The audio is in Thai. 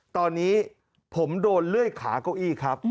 ตอนนี้ผมโดนเลื่อยขาเก้าอี้ครับ